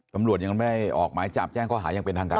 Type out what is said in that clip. ตำรวจยังไม่ได้ออกหมายจับแจ้งข้อหายังเป็นทางการ